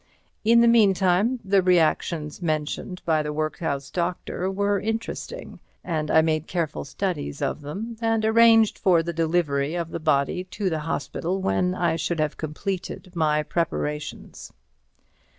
In the meantime, the reactions mentioned by the workhouse doctor were interesting, and I made careful studies of them, and arranged for the delivery of the body to the hospital when I should have completed my preparations.